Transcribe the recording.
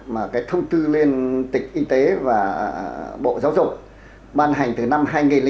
mà cái thông tư liên tịch y tế và bộ giáo dục ban hành từ năm hai nghìn chín